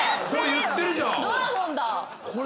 言ってるじゃん！